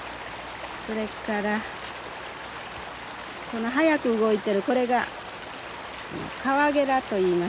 それからこの速く動いてるこれがカワゲラといいます。